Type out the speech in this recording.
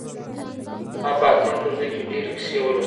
ما په اتم ټولګي کي ډېرې کيسې ولوستلې.